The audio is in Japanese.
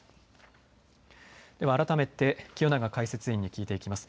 では改めて清永解説委員に聞いていきます。